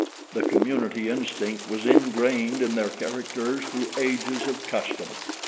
The community instinct was ingrained in their characters through ages of custom.